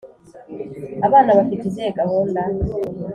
abana bafite izihe gahunda?